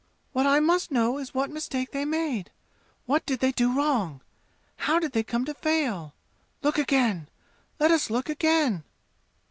What I must know is what mistake they made. What did they do wrong? How did they come to fail? Look again! Let us look again!"